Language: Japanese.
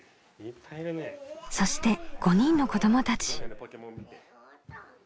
そして５人の子どもたち。